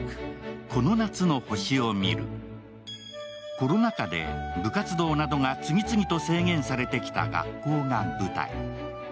コロナ禍で部活動なとが次々と制限されてきた学校が舞台。